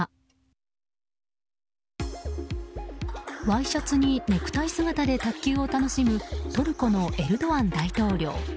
ワイシャツにネクタイ姿で卓球を楽しむトルコのエルドアン大統領。